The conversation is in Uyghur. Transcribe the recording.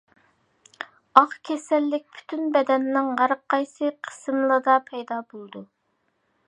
ئاق كېسەللىك پۈتۈن بەدەننىڭ ھەرقايسى قىسىملىرىدا پەيدا بولىدۇ.